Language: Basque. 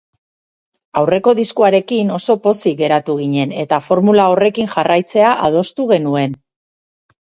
Aurreko diskoarekin oso pozik geratu ginen, eta formula horrekin jarraitzea adostu genuen.